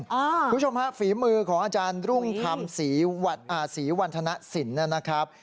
คุณผู้ชมฮะฝีมือของอาจารย์รุ่งธรรมศรีวันธนสินนะครับ